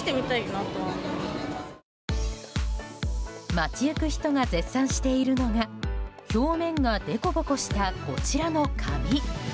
街行く人が絶賛しているのが表面が凸凹したこちらの紙。